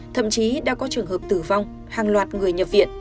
thậm chí đã có trường hợp tử vong hàng loạt người nhập viện